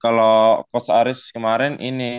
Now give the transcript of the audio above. kalo coach aris kemarin ini